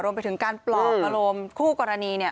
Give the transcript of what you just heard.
ไปถึงการปลอบอารมณ์คู่กรณีเนี่ย